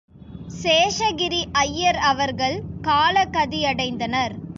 சேஷகிரி ஐயர் அவர்கள் காலகதியடைந்தனர்.